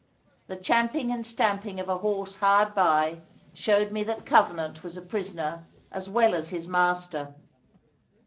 The champing and stamping of a horse hard by showed me that Covenant was a prisoner as well as his master.